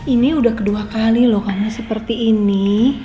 ini udah kedua kali loh karena seperti ini